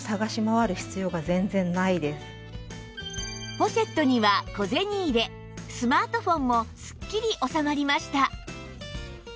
ポシェットには小銭入れスマートフォンもすっきり収まりました